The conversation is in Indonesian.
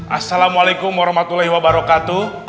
assalamualaikum warahmatullahi wabarakatuh